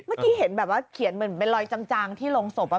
ไม่ที่เห็นแบบว่าเขียนเหมือนเป็นลอยจังที่ลงศพอ่ะ